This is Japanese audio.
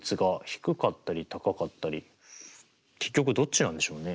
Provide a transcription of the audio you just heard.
結局どっちなんでしょうね？